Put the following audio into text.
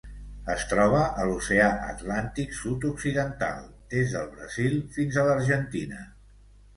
Es troba a l'Oceà Atlàntic sud-occidental: des del Brasil fins a l'Argentina.